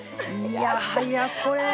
いやはやこれ。